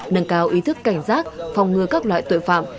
nâng cao ý thức cảnh giác phòng ngừa các loại tội phạm